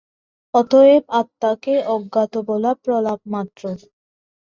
অতএব আত্মাকে অজ্ঞাত বলা প্রলাপ-মাত্র।